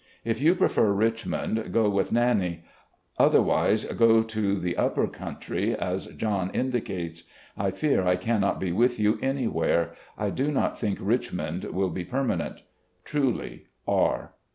If you prefer Richmond, go ■with Nannie. Otherwise, go to the upper country, as John indicates. I fear I cannot be with you anywWe, I do not think Richmond will be permanent. "Truly, R."